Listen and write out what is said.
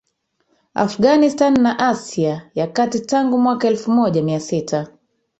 Afghanistan na Asia ya Kati Tangu mwaka elfu moja mia sita